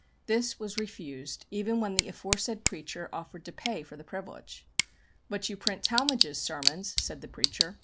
This was refused, even when the aforesaid preacher offered to pay for the privilege. "But you print Talmage's sermons!" said the preacher.